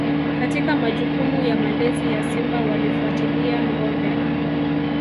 Katika majukumu ya malezi ya Simba walifuatilia ngombe